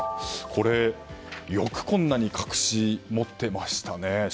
これ、よくこんなに隠し持ってましたね。